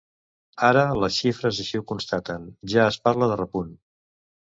Ara les xifres així ho constaten, ja es parla de repunt.